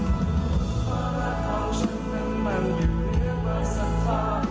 ความรักของฉันนั้นมันอยู่เหลือเมื่อสันภาพ